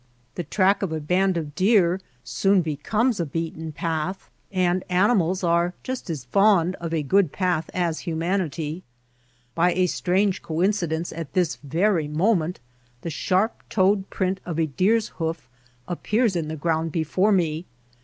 The track of a band of deer soon becomes a THE APPROACH beaten path, and animals are just as fond of a good path as humanity. By a strange coin cidence at this very moment the sharp toed print of a deer^s hoof appears in the ground before me.